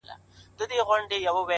اوبولې یې ریشتیا د زړونو مراندي٫